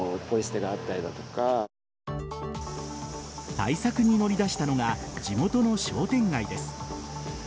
対策に乗り出したのが地元の商店街です。